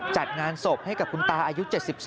จัดงานศพให้กับคุณตาอายุ๗๒